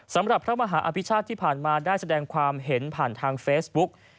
สำหรับพระมหาอภิชาติที่ผ่านมาได้แสดงความเห็นผ่านทางเฟซบุ๊ก